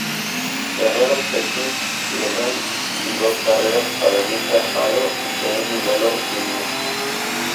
Ganaron Petit Le Mans y dos carreras, pero Mika Salo y Jaime Melo Jr.